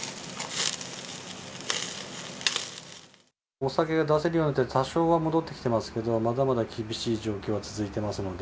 お酒が出せるようになって、多少は戻ってきてますけれども、まだまだ厳しい状況は続いてますので。